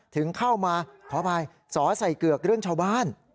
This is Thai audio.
ถึงเข้ามาขออภัยสอใส่เกือกเรื่องชาวบ้าน